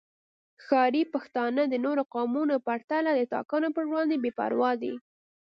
ښاري پښتانه د نورو قومونو په پرتله د ټاکنو پر وړاندې بې پروا دي